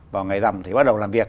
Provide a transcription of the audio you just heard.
vào ngày rằm thì bắt đầu làm việc